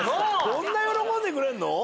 そんな喜んでくれんの？